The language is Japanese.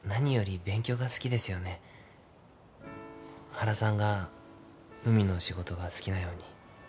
原さんが海の仕事が好きなように。